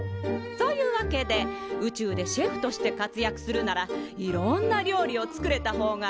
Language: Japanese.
そういうわけで宇宙でシェフとしてかつやくするならいろんな料理を作れたほうがいい。